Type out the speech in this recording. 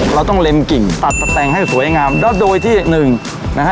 เราต้องเล็มกิ่งตัดสแต่งให้สวยงามแล้วโดยที่หนึ่งนะฮะ